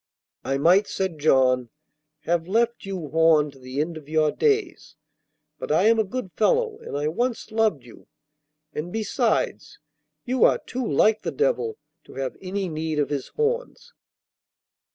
'I might,' said John, 'have left you horned to the end of your days, but I am a good fellow and I once loved you, and besides you are too like the devil to have any need of his horns.